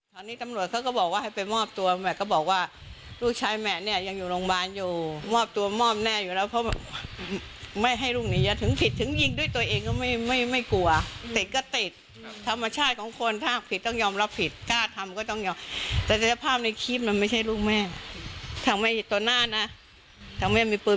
ตอนนี้ตำรวจเขาก็บอกว่าให้ไปมอบตัวแม่ก็บอกว่าลูกชายแม่เนี่ยยังอยู่โรงพยาบาลอยู่มอบตัวมอบแน่อยู่แล้วเพราะแบบไม่ให้ลูกหนีอย่าถึงผิดถึงยิงด้วยตัวเองก็ไม่ไม่กลัวติดก็ติดธรรมชาติของคนถ้าผิดต้องยอมรับผิดกล้าทำก็ต้องยอมแต่สภาพในคลิปมันไม่ใช่ลูกแม่ทั้งแม่ตัวหน้านะทั้งแม่มีปืน